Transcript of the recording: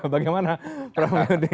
bagaimana pak yudi